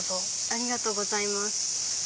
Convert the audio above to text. ありがとうございます。